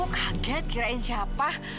kaget kirain siapa